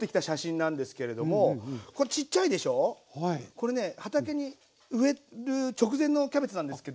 これね畑に植える直前のキャベツなんですけど。